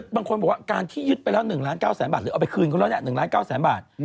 บางคนบอกว่าการที่ยึดไปแล้ว๑ล้าน๙แสนบาทหรือเอาไปคืนเขาแล้ว๑ล้าน๙แสนบาท